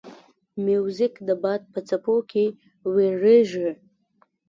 موزیک د باد په څپو کې ویریږي.